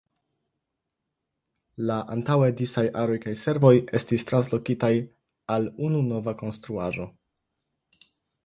La antaŭe disaj aroj kaj servoj estis translokitaj al unu nova konstruaĵo.